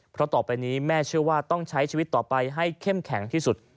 เพราะต่อไปนี้แม่เชื่อว่าต้องใช้ชีวิตต่อไปให้เข้มแข็งที่สุด